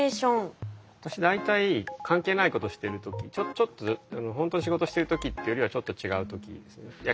私大体関係ないことしてる時ちょっとほんとに仕事してる時ってよりはちょっと違う時ですね。